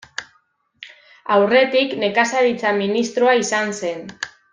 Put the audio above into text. Aurretik Nekazaritza Ministroa izan zen.